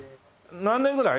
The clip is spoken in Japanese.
何年ぐらい？